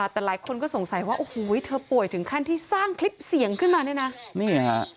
แต่หลายคนก็สงสัยว่าโอ้โหเธอป่วยถึงขั้นที่สร้างคลิปเสียงขึ้นมาเนี่ยนะนี่ฮะ